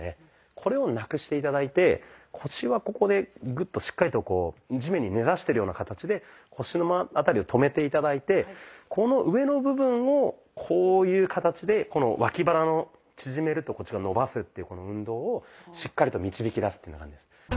これをなくして頂いて腰はここでグッとしっかりと地面に根ざしてるような形で腰の辺りを止めて頂いてこの上の部分をこういう形でこの脇腹を縮めるとこっちが伸ばすっていう運動をしっかりと導き出すっていうふうな感じです。